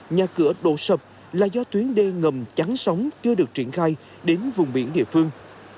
nhà cửa đổ sập là do tuyến đê ngầm chắn sóng chưa được triển khai đến vùng biển địa phương